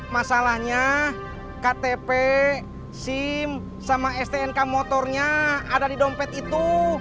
masalahnya ktp sim sama stnk motornya ada di dompet itu